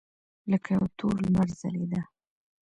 لکه یو تور لمر ځلېده.